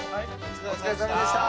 お疲れさまでした！